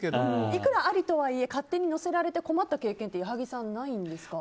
いくらありとはいえ勝手に載せられて困った経験って矢作さん、ないんですか？